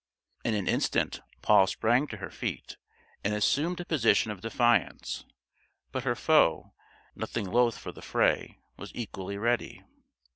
In an instant Poll sprang to her feet and assumed a position of defiance; but her foe, nothing loath for the fray, was equally ready.